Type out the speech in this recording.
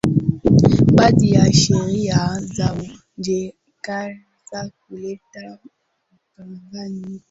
baadhi ya sheria za uingereza kuleta mkanganyiko